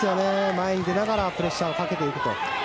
前に出ながらプレッシャーをかけていくと。